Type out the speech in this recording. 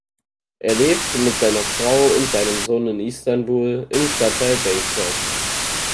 Er lebt mit seiner Frau und seinem Sohn in Istanbul im Stadtteil Beykoz.